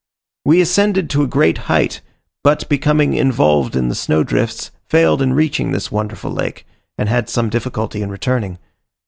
We ascended to a great height, but becoming involved in the snow drifts failed in reaching this wonderful lake, and had some difficulty in returning.